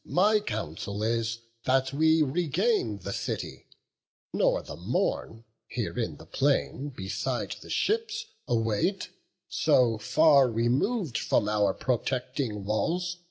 my counsel is That we regain the city, nor the morn Here in the plain, beside the ships, await, So far remov'd from our protecting walls.